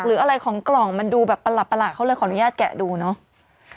หรืออะไรของกล่องมันดูแบบประหลาดเขาเลยขออนุญาตแกะดูเนาะ